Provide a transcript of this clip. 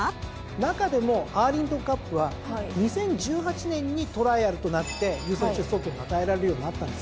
中でもアーリントンカップは２０１８年にトライアルとなって優先出走権が与えられるようになったんですよ。